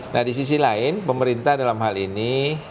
nah di sisi lain pemerintah dalam hal ini